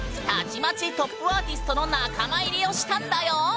たちまちトップアーティストの仲間入りをしたんだよ！